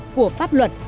của pháp luật